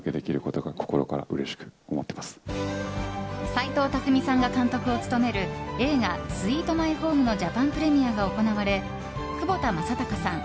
斎藤工さんが監督を務める映画「スイート・マイホーム」のジャパンプレミアが行われ窪田正孝さん